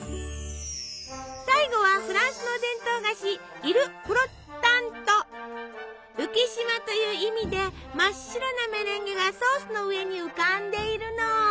最後はフランスの伝統菓子「浮島」という意味で真っ白なメレンゲがソースの上に浮かんでいるの。